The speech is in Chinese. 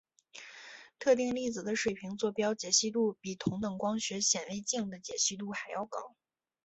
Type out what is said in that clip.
特定粒子的水平座标解析度比同等光学显微镜的解析度还要高。